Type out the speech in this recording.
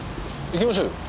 行きましょうよ。